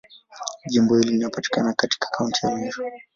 Jimbo hili linapatikana katika Kaunti ya Meru.